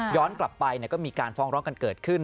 กลับไปก็มีการฟ้องร้องกันเกิดขึ้น